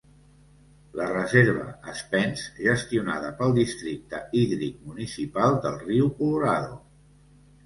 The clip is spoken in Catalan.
La reserva Spence, gestionada pel districte hídric municipal del riu Colorado.